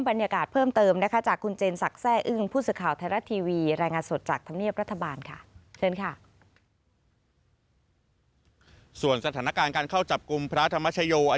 ส่วนสถานการณ์การเข้าจับกลุ่มพระธรรมชโย